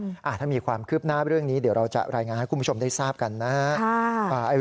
ถ้ามีความคืบหน้าเรื่องนี้เดี๋ยวเราจะรายงานให้คุณผู้ชมได้ทราบกันนะครับ